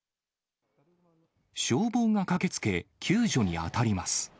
消防が駆けつけ、救助に当たります。